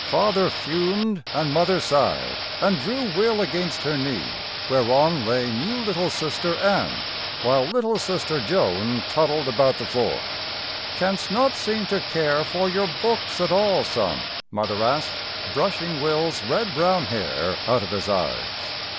Father fumed, and Mother sighed and drew Will against her knee whereon lay new little Sister Ann while little Sister Joan toddled about the floor. "Canst not seem to care for your books at all, son?" Mother asked, brushing Will's red brown hair out of his eyes.